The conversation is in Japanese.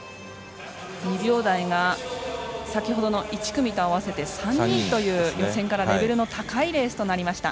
２秒台が先ほどの１組と合わせて３人という、予選からレベルの高いレースとなりました。